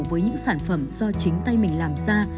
với những sản phẩm do chính tay mình làm ra